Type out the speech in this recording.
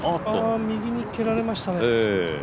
右に蹴られましたね。